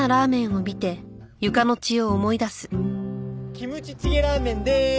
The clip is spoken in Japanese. キムチチゲラーメンでーす！